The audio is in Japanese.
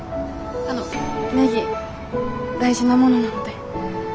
あのネギ大事なものなので。